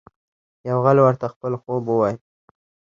یو غل ورته خپل خوب وايي.